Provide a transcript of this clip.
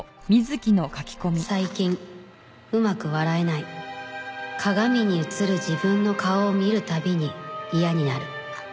「最近上手く笑えない」「鏡に映る自分の顔を見る度に嫌になる」